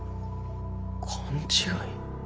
勘違い？